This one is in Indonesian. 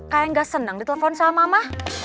kayak gak senang ditelepon sama mama